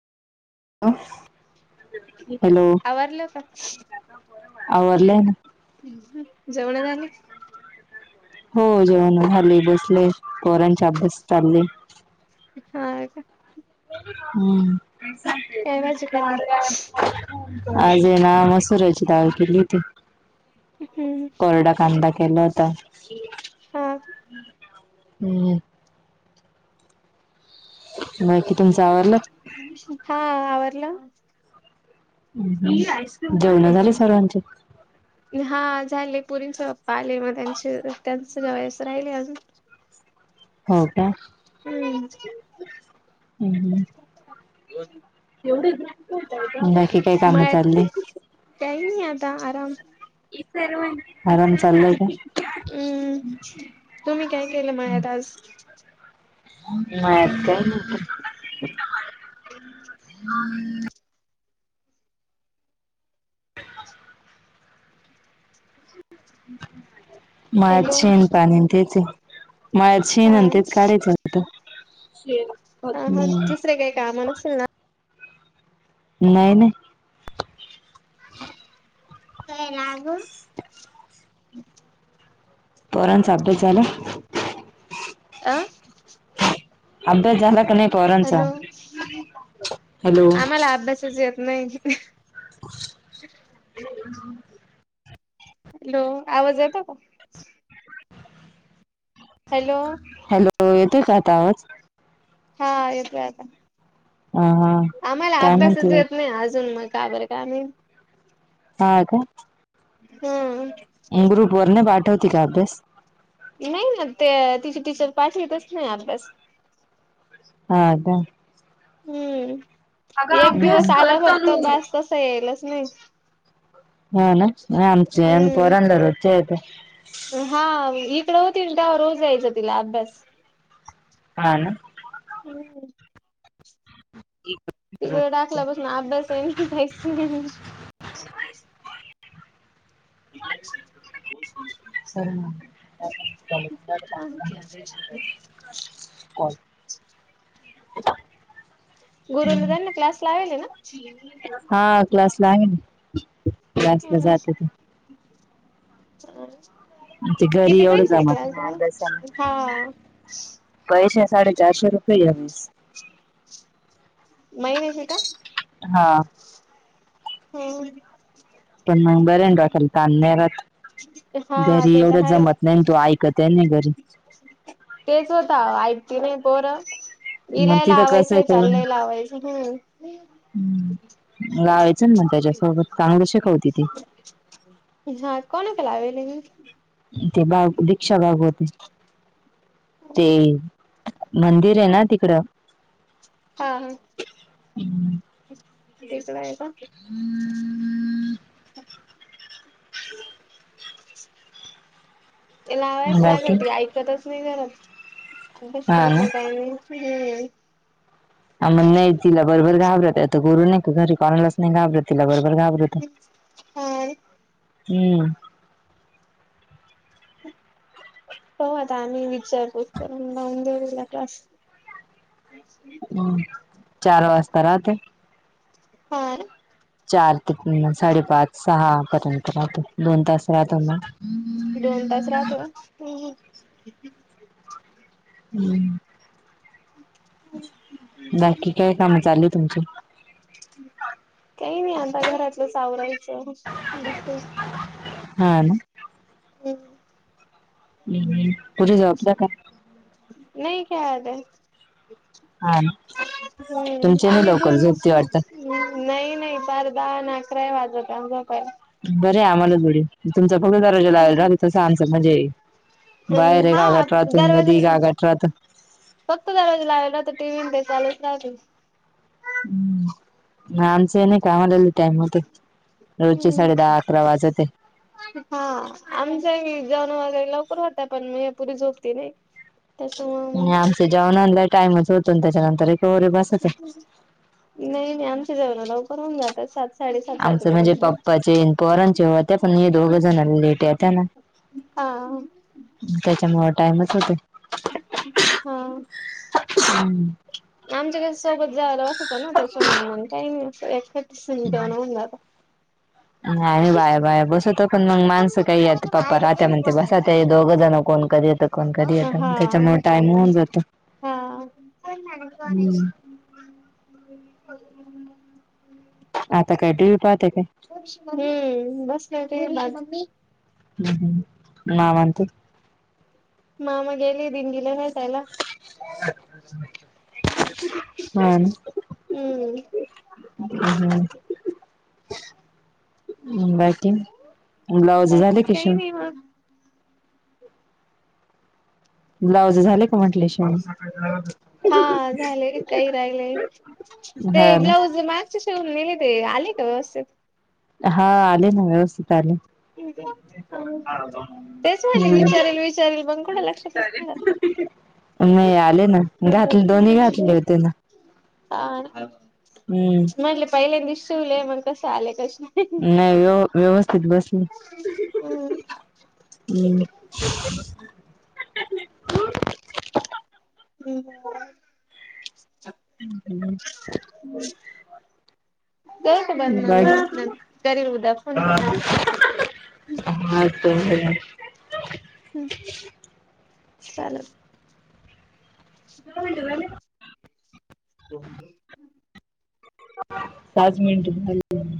[inaudible] आवरल का आवरले ना जेवण झाली? हो जेवण झाली बसले पोरांचे अभ्यास चालले हा का हम्म काय भाजी खाल्ली? आज येणार सरोची दाल केली होती कोरडा कांदा केला होता हा हम्म बाकी तुमच आवरलं हा आवरल जेवण झाले सर्वांचे हा झाले पोरींचे पप्पा आले मग त्यांचे त्यांच जेवणेस राहिले अजून हो का हम्म हम्म हम्म [inaudible] बाकी काही काम मळ्यात चालले काही, नाही आता आराम ही सर्वांनी हम्म तुम्ही काय केलं मायात आज नाहीयेत काय मग त हा म हॅलो माझं पण पाणी तेच आये हा शेण तेच काढायचं होत हा मग दुसरे काय काम नसतील ना नाही नाही. काय लाग? पोरांचा आभ्यास झाला? आ? अभ्यास झाला का नाय? हॅलो हॅलो आम्हाला अभ्यासच येत नाही. [inaudible] हॅलो आवाज येतो का? हॅलो हॅलो येतोय का आता आवाज? हा येतोय आता. हा हा आम्हाला काय अभ्यासच म्हणते येत नाही अजून म का बरं माहित? हा का? हम्म. ग्रुपवर नाय पाठवती का अभ्यास? नाही ना ते तिची टीचर पाठवीतच नाही अभ्यास. हा का? हम्म एक दिवस आला फक्त बस तसा यायलाच नाही. ह ना म आमच्या हम्म. पोरांना रोच्या येतय. हा इकड होती त्यावा रोज द्यायचं तिला अभ्यास. हा ना हम्म पुढेच ईक तिकडे टाकल्या पासून अभ्यास हि काहीच नाही. [inaudible] सर ना कॉल गुरू न त्यांना क्लास लावेले ना हा क्लास लावेन किती वेळाच, चालाच ते घरी किती एवढं पैसे हे जमत नाही क्लासला अभ्यासाला हा. पैसे साडे चारशे रुपये यावेळेस. महिन्याचे का? हा. होय. पण मग बर डोक्याला तान नाय रात हा घरी ते एवढं तर आहेच. जमत नाही तो ऐकत नाही घरी. तेच होत ऐकती नाही पोरं मग इलाई तिथं कसं लावाचं चाल करून लय लावायचं हम्म लावायचं मण त्याज्यासोबत चांगलं शिकवती ती. हा कोणकड लावालय हि ते बाग दीक्षा बाग होते ते मंदिर आहे ना तिकडं हा ह तसंच आहे का? हम्ममम ते लावायच बाकी लागेल ती ऐकतच नाही घरात अभ्यास हा करत ना नाही काय नाही हम्म. आन म नाही तिला बरोबर घाब्रतात आता गुरू नाही का घरी कोणालाच नाही घाबरत तिला बरोबर घाबरतो हम्म हा हम्म हो आता आम्ही विचारपूत करून लाऊन देऊ हिला क्लास. हम्म चार वाजता राहते. हा. चार तिथनं साडेपाच सहा पर्यंत राहतं दोन तास राहतो ना. दोन तास राहते हम्म. हम्म बाकी काय कामं चाली तुमचं? काही नाही आता घरातलचं सावरायचं. हा ना. हम्म. हम्म. पुरी जॉबला का [inaudible] नाही क्यादर हा तुमचे नाही आम्ही लवकर झोपती वाटतं. [unintelligible] बरे आम्हाला जरी तुमचा [unintelligible] दरवाजा लायल राहल तसं आमचं म्हणजे बाहेर अं आहे हा गा गटरात दरवाजा मधी गा गटरात फक्त दरवाजा लावायला राहतं टीव्ही ते चालूच राहिते. हम्म. आमचे नाही कामाला लई टाइम होते रोजचे साडे हम्म दहा अकरा वाजते. हा आमचा वी जेवण वगैरे लवकर होते पण म यापरी झोपते नाही. [unintelligible] से जेवण आणला टाइम होतो त्याच्यानंतर एक वरे बसत हाय. नाही नाही आमच्या जेवणं लवकर होऊन जातात सात साडेसात आमचं म्हणजे वाजेपर्यंत. पप्पाचे पोरांचे होत्या पण दोघं जण लेट येत्या ना. हां. त्याच्यामुळे टाइमच होते. हा. हम्म. आमच्या सोबत जायला असतं ना त्याच्यामुळं मंग काही नाही असं एकटी सिमटावून होऊन जाता. आणि बाय बाय बसवतो पण मग माणसं काही येतं पप्पा राहत्या म्हणते बसा ते दोघं जण कोण कर येतं कोण कधी हा येता हा त्याच्यामुळे टाइम होऊन जातो हम्म. [inaudible] आता काय टीव्ही पाहते काय? हम्म बसले होते. हम्म हम्म माम आणते. मामा गेले दिंडीला नाय पहायला? हा ना. हम्म. हम्म बाकी. ब्लाउज बाकी झाले कि काही शिवून नाही मग ब्लाउज झाले का म्हंटले शिवुस हा झाले काही राहिले ते हा ना ब्लाऊज मग चे सिवून नेले ते आले का व्यवस्थित? हा आले ना व्यवस्थित आले. तेच म्हणले हम्म विचारल विचारल मग कुडं लक्षातच नाय राहत. नाही आले ना, घातले दोन्ही घातले होते ना. [unintelligible] हम्म. म्हटले पहिल्यांदी शिवलय मंग कसं आलेय कशी? नाही व्यव-व्यवस्थित बसले. हम्म हम्म. [unintelligible] [inaudible] करू का बंद मग, बाकी नंन करील उद्या फोन परत. हा‌ चल घरात. हम्म, चाललं. इथं कोणी ठेऊ राहीले का? ठेऊ मग? पाच मिनिटं झा